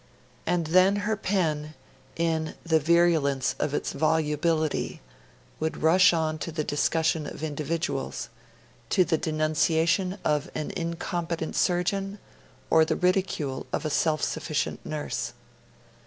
And then her pen, in the virulence of its volubility, would rush on to the discussion of individuals, to the denunciation of an incompetent surgeon or the ridicule of a self sufficient nurse.